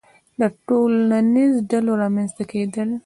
• د ټولنیزو ډلو رامنځته کېدل.